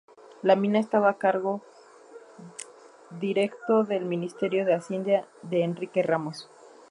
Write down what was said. La Mina estaba a cargo directo del Ministerio de Hacienda de Enrique Ramos.